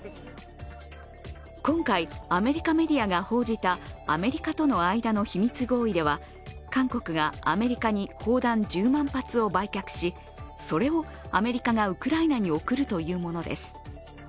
今回、アメリカメディアが報じたアメリカとの間の秘密合意では韓国がアメリカに砲弾１０万発を売却し、それをアメリカがウクライナに送るというものです。